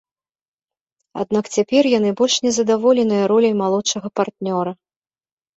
Аднак цяпер яны больш не задаволеныя роляй малодшага партнёра.